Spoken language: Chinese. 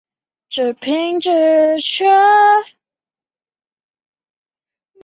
布朗泽人口变化图示